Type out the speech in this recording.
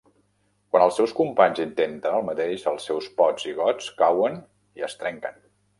Quan els seus companys intenten el mateix, els seus pots i gots cauen i es trenquen.